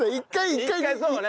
１回そうね。